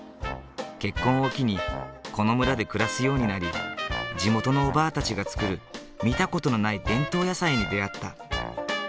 結婚を機にこの村で暮らすようになり地元のおばぁたちが作る見た事のない伝統野菜に出会った。